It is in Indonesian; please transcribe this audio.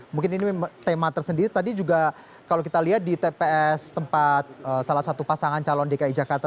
mungkin ini tema tersendiri tadi juga kalau kita lihat di tps tempat salah satu pasangan calon dki jakarta